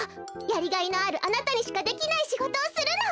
やりがいのあるあなたにしかできないしごとをするの！